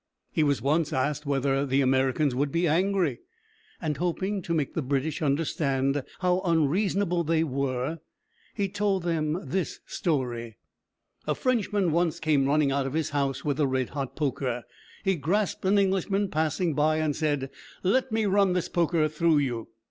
He was once asked whether the Americans would be angry; and, hoping to make the British understand how unreasonable they were, he told them this story: A Frenchman once came running out of his house with a red hot poker. He grasped an Englishman, passing by, and said: "Let me run this poker through you!"